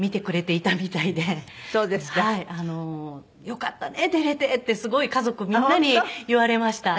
「よかったね出れて」ってすごい家族みんなに言われました。